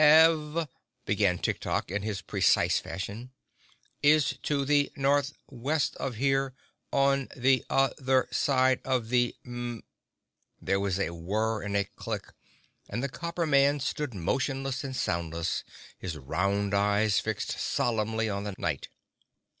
"Ev," began Tik Tok in his precise fashion, "is to the north west of here on the oth er side of the im—" There was a whirr and a click and the copper man stood motionless and soundless, his round eyes fixed solemnly on the Knight.